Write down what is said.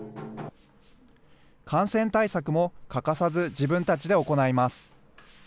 感染対策も欠かさず自分たちで行います。